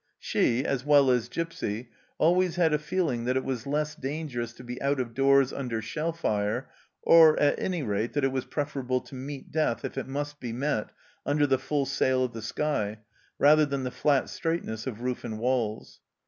She, as well as Gipsy, always had a feeling that it was less dangerous to be out of doors under shell fire, or. at any rate, that it was preferable to meet death, if it must be met, under the full sail of the sky, rather than the flat straitness of roof and walls.